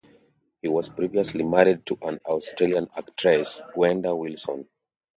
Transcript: He was previously married to an Australian actress, Gwenda Wilson.